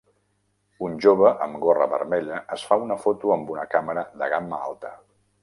Un jove amb gorra vermella es fa una foto amb una càmera de gamma alta.